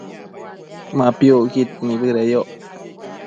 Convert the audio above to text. Ma piucquid nibëdeyoc